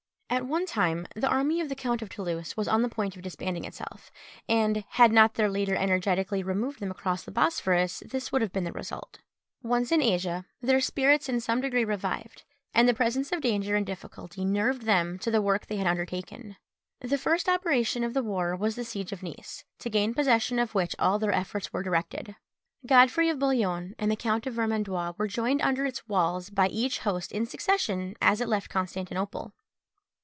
At one time the army of the Count of Toulouse was on the point of disbanding itself; and, had not their leader energetically removed them across the Bosphorus, this would have been the result. Once in Asia, their spirits in some degree revived, and the presence of danger and difficulty nerved them to the work they had undertaken. The first operation of the war was the siege of Nice, to gain possession of which all their efforts were directed. Godfrey of Bouillon and the Count of Vermandois were joined under its walls by each host in succession as it left Constantinople.